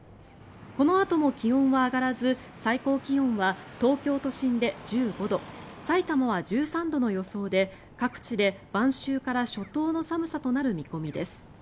このあとも気温は上がらず最高気温は東京都心で１５度さいたまは１３度の予想で各地で晩秋から初冬の寒さとなる見込みです。